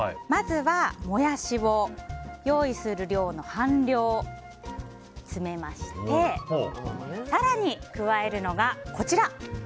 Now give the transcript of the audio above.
まずはモヤシを用意する量の半量詰めまして更に、加えるのがこちら。